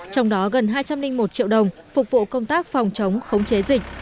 trong đó gần hai trăm linh một triệu đồng phục vụ công tác phòng chống khống chế dịch